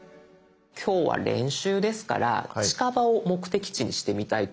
今日は練習ですから近場を目的地にしてみたいと思うんです。